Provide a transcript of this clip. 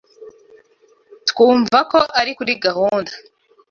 Twumva ko ari kuri gahunda.